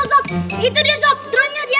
sob tadi mana dia